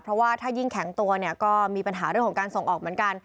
เพราะว่าถ้ายิ่งแข็งตัวเนี่ยก็มีปัญหาเรื่องของการส่งออกเหมือนกัน